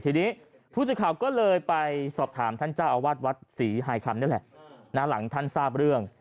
ทีนี้ผู้สื่อข่าวก็เลยไปสอบถามท่านเจ้าอาวาสวัดศรีหายคำนี่แหละหลังท่านทราบเรื่อง